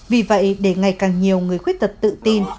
vì vậy để ngày càng nhiều người khuyết tật tự tin